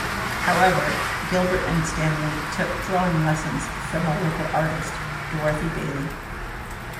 However, Gilbert and Stanley took drawing lessons from a local artist, Dorothy Bailey.